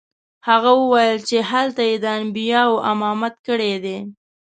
هغه وویل چې هلته یې د انبیاوو امامت کړی دی.